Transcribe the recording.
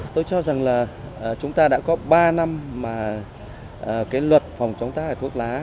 tôi cho rằng là chúng ta đã có ba năm mà cái luật phòng chống tác hại thuốc lá